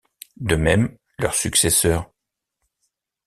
De même, leurs successeurs.